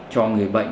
cho người bệnh